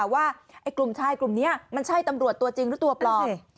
ว่าไอ้กลุ่มชายกลุ่มนี้มันใช่ตำรวจตัวจริงหรือตัวปลอม